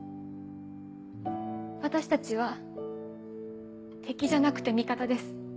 私たちは敵じゃなくて味方です。